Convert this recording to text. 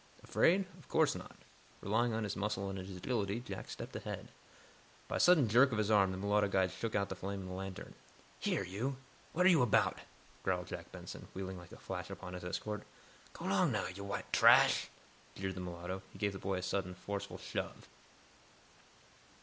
Afraid? Of course not. Relying on his muscle and his agility, Jack stepped ahead. By a sudden jerk of his arm the mulatto guide shook out the flame in the lantern. "Here, you! What are you about?" growled Jack Benson, wheeling like a flash upon his escort. "Go 'long, yo' w'ite trash!" jeered the mulatto. He gave the boy a sudden, forceful shove.